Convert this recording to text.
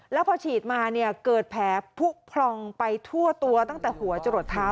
แล้วพอฉีดมาเนี่ยเกิดแผลผู้พองไปทั่วตัวตั้งแต่หัวจะหลดเท้า